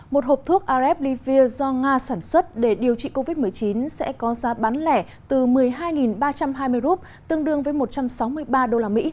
một hộp thuốc rf livir do nga sản xuất để điều trị covid một mươi chín sẽ có giá bán lẻ từ một mươi hai ba trăm hai mươi rup tương đương với một trăm sáu mươi ba usd